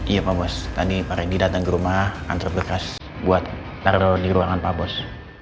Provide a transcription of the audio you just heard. iya pak bos tadi pak rendy datang ke rumah anter bekas buat teror di ruangan pak bos